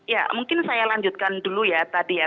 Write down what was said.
ya mungkin saya lanjutkan dulu ya tadi ya